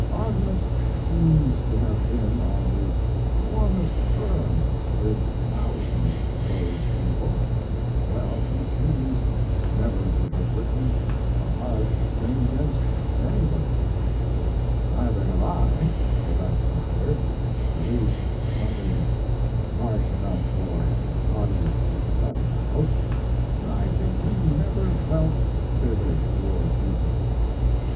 Arte mus seems to have been on the warmest terms with thousands of those people. His Life and Work. Well, he seems never to have written a harsh thing against anybody neither have I, for that matter, at least nothing harsh enough for a body to fret about and I think he never felt bitter toward people.